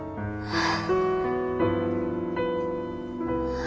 ああ。